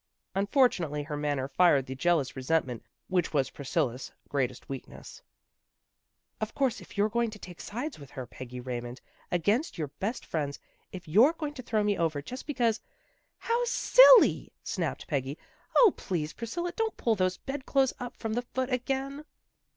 Unfortunately her manner fired the jealous resentment which was Priscilla's greatest weakness. " Of course if you're going to take sides with her, Peggy Raymond, against your best friends, if you're going to throw me over just because " A BELATED INVITATION 259 " How silly! " snapped Peggy. " O, please, Priscilla, don't pull those bed clothes up from the foot again."